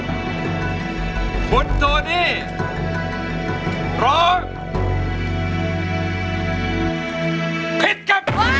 ไม่เป็นไร